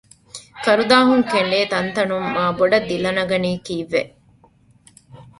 ކަރުދާހުން ކެނޑޭ ތަންތަނުން މާބޮޑަށް ދިލަނަގަނީ ކީއްވެ؟